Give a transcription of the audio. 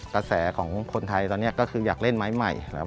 กระแสของคนไทยตอนนี้ก็คืออยากเล่นไม้ใหม่นะครับ